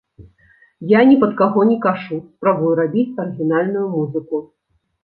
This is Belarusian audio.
Я ні пад каго не кашу, спрабую рабіць арыгінальную музыку.